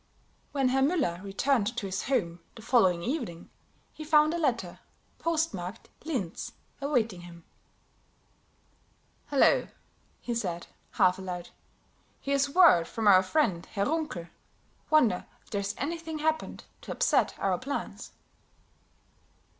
When Herr Müller returned to his home the following evening, he found a letter, postmarked "Linz," awaiting him. "Hello," he said, half aloud, "here's word from our friend Herr Runkel. Wonder if there's anything happened to upset our plans?"